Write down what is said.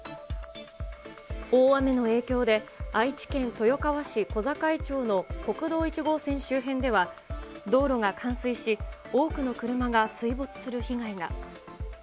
大雨の影響で、愛知県豊川市小坂井町の国道１号線周辺では、道路が冠水し、多くの車が水没する被害が。